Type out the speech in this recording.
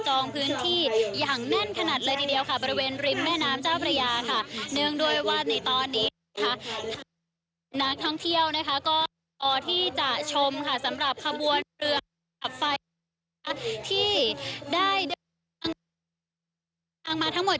เรือขับไฟที่ได้เดินทางมาทั้งหมด๗วัน๗รำด้วยกัน